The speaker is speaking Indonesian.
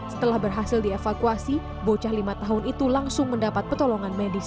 setelah berhasil dievakuasi bocah lima tahun itu langsung mendapat petolongan medis